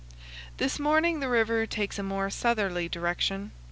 This morning the river takes a more southerly direction.